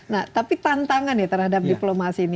nah tapi tantangan ya terhadap diplomasi ini